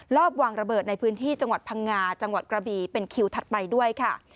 อบวางระเบิดในพื้นที่จังหวัดพังงาจังหวัดกระบีเป็นคิวถัดไปด้วยค่ะ